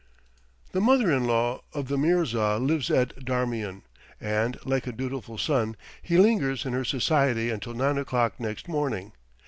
The mother in law of the mirza lives at Darmian, and, like a dutiful son, he lingers in her society until nine o'clock next morning.